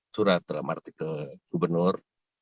surat dalam artikel gubernur